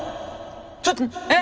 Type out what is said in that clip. ちょっとえっ？